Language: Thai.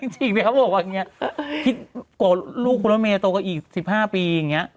จริงเนี่ยครับบอกว่าอย่างเงี้ยลูกคุณละเมตตัวก็อีกสิบห้าปีอย่างเงี้ย